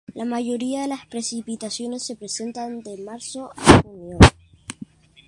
La mayoría de las precipitaciones se presentan de marzo a junio.